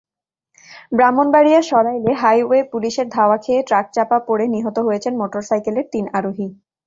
ব্রাহ্মণবাড়িয়ার সরাইলে হাইওয়ে পুলিশের ধাওয়া খেয়ে ট্রাকচাপা পড়ে নিহত হয়েছেন মোটরসাইকেলের তিন আরোহী।